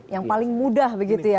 yang paling mudah begitu ya